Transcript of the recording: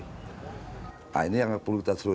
nah ini yang perlu kita seluruh